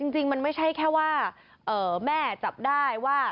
จริงมันไม่ใช่แค่ว่าแม่จับได้ว่า